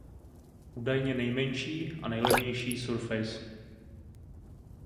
Údajně nejmenší a nejlevnější Surface.